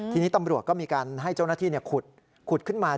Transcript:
ทีนี้ตำรวจก็มีการให้เจ้าหน้าที่ขุดขึ้นมา